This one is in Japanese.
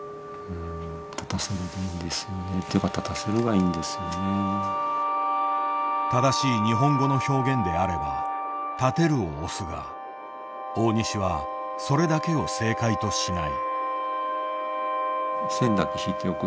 うん正しい日本語の表現であれば「立てる」を推すが大西はそれだけを正解としない。